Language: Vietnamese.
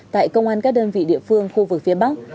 tại công an các đơn vị địa phương khu vực phía bắc